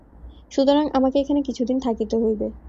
সুতরাং আমাকে এখানে কিছুদিন থাকিতে হইবে।